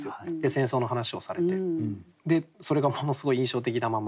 戦争の話をされてそれがものすごい印象的なまま。